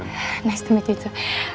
senang bertemu juga